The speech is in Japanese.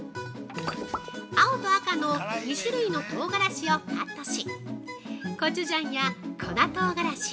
◆青と赤の２種類のとうがらしをカットしコチュジャンや粉とうがらし